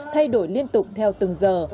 thay đổi liên tục theo từng giờ